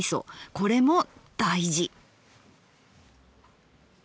これも大事。